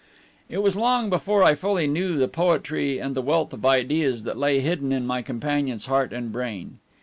It was long before I fully knew the poetry and the wealth of ideas that lay hidden in my companion's heart and brain.